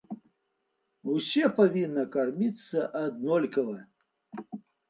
Усе павінны карміцца аднолькава.